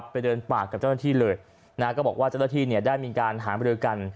ไปเดินปากกับเจ้าหน้าที่เลยก็บอกว่าเจ้าหน้าที่ได้มีการหามรือกัน